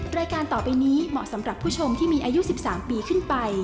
รายการต่อไปนี้เหมาะสำหรับผู้ชมที่มีอายุ๑๓ปีขึ้นไป